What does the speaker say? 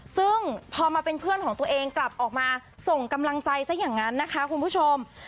ซึ่งพอมาเป็นเพื่อนของตัวเองกลับออกมาส่งกำลังใจซะอย่างนั้นนะคะคุณผู้ชม